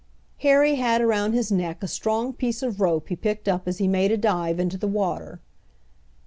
Harry had around his neck a strong piece of rope he picked up as he made a dive into the water.